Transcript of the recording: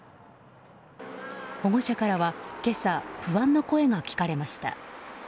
保護者からは今朝、不安の声が聞かれました。